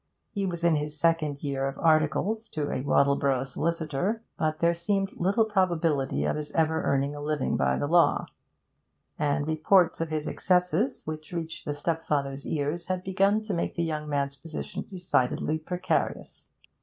He was in his second year of articles to a Wattle borough solicitor, but there seemed little probability of his ever earning a living by the law, and reports of his excesses which reached the stepfather's ears had begun to make the young man's position decidedly precarious.